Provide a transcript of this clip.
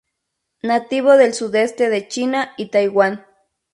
Nativo del sudeste de China y Taiwan.